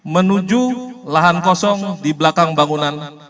menuju lahan kosong di belakang bangunan